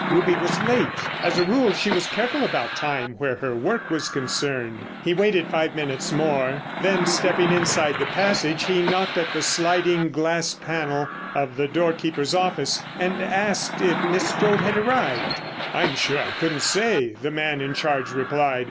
Ruby was late. As a rule she was careful about time where her work was concerned. He waited five minutes more, then stepping inside the passage he knocked at the sliding glass panel of the doorkeeper's office and asked if Miss Strode had arrived. "I'm sure I couldn't say," the man in charge replied.